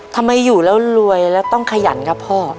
ทำไมอยู่แล้วรวยแล้วต้องขยันครับพ่อ